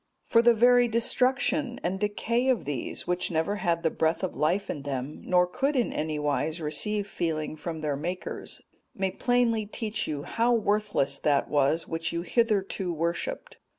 For the very destruction and decay of these, which never had the breath of life in them, nor could in any wise receive feeling from their makers, may plainly teach you how worthless that was which you hitherto worshipped.